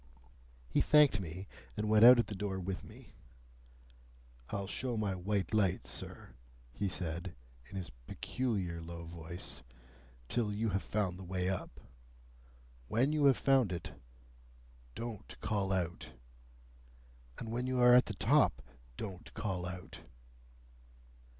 He thanked me, and went out at the door with me. "I'll show my white light, sir," he said, in his peculiar low voice, "till you have found the way up. When you have found it, don't call out! And when you are at the top, don't call out!"